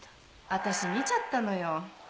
私見ちゃったのよ